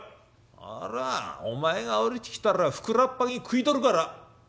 ほらお前が下りてきたらふくらっぱぎ食い取るから」。